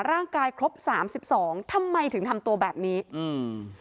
ร่างกายครบสามสิบสองทำไมถึงทำตัวแบบนี้อืม